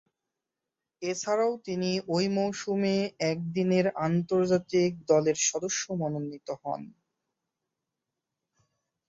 এছাড়াও তিনি ঐ মৌসুমে একদিনের আন্তর্জাতিক দলের সদস্য মনোনীত হন।